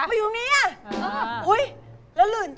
เพราะอยู่ตรงนี้แล้วฤนต้น